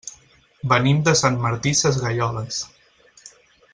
Venim de Sant Martí Sesgueioles.